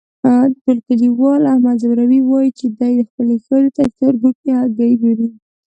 ټول کلیوال احمد ځوروي، وایي چې دی خپلې ښځې ته چرگو کې هگۍ گوري.